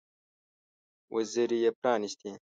وزرې یې پرانيستې.